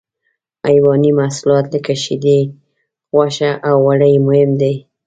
حیواني محصولات لکه شیدې، غوښه او وړۍ مهم دي.